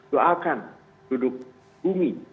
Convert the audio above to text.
doakan duduk bumi